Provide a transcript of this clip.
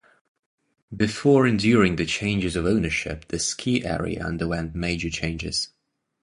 Before and during the changes of ownership, the ski area underwent major changes.